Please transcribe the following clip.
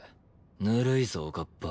ぬるいぞおかっぱ。